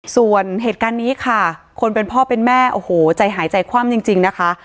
ส่วนเหตุการณ์นี้ค่ะคนเป็นพ่อเป็นแม่โอ้โหใจหายใจคว่ำจริงนะคะ